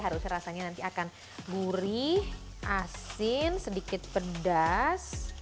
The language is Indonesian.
harusnya rasanya nanti akan gurih asin sedikit pedas